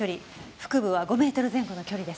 腹部は５メートル前後の距離です。